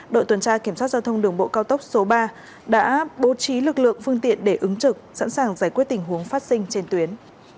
đội tuần tra kiểm soát giao thông đường bộ cao tốc số ba đã bố trí lực lượng phương tiện để ứng trực sẵn sàng giải quyết tình huống phát sinh trên tuyến